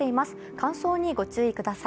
乾燥にご注意ください。